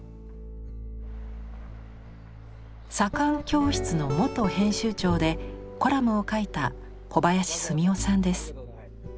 「左官教室」の元編集長でコラムを書いた小林澄夫さんです。